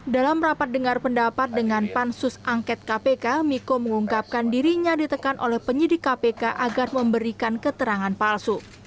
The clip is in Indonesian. dalam rapat dengar pendapat dengan pansus angket kpk miko mengungkapkan dirinya ditekan oleh penyidik kpk agar memberikan keterangan palsu